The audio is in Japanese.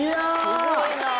すごいなあ。